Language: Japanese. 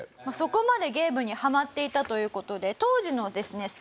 そこまでゲームにハマっていたという事で当時のですね